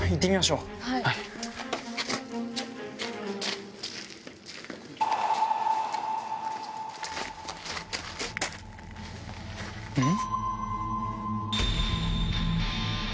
うん？